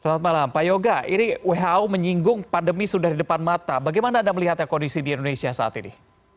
selamat malam pak yoga ini who menyinggung pandemi sudah di depan mata bagaimana anda melihat kondisi di indonesia saat ini